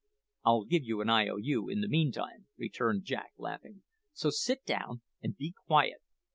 "I'll give you an I.O.U. in the meantime," returned Jack, laughing, "so sit down and be quiet.